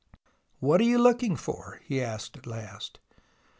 " What are you looking for ?" he asked at last.